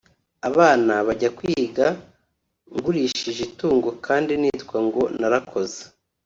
abana bajya kwiga ngurishije itungo kandi nitwa ngo narakoze